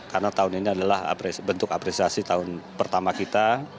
karena tahun ini adalah bentuk apresiasi tahun pertama kita